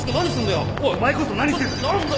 お前こそ何してんだ！？